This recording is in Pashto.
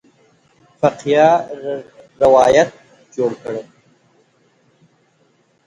فقیه روایت جوړ کړی.